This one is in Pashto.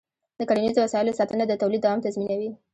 د کرنيزو وسایلو ساتنه د تولید دوام تضمینوي.